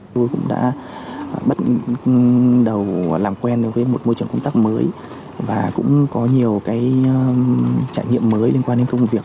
tôi cũng đã bắt đầu làm quen đối với một môi trường công tác mới và cũng có nhiều trải nghiệm mới liên quan đến công việc